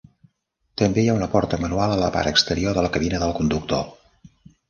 També hi ha una porta manual a la part exterior de la cabina del conductor.